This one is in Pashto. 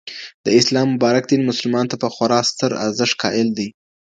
د اسلام مبارک دين، مسلمان ته په خورا ستر ارزښت قائل دی!